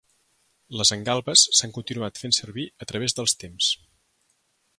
Les engalbes s'han continuat fent servir a través dels temps.